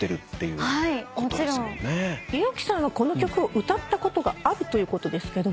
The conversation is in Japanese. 五百城さんはこの曲を歌ったことがあるということですけども。